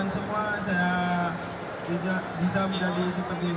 mungkin itu saja yang bisa saya sampaikan